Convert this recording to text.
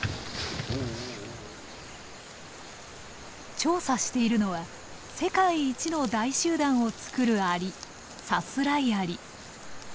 調査しているのは世界一の大集団を作るアリサスライアリ。